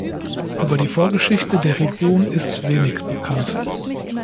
Über die Vorgeschichte der Region ist wenig bekannt.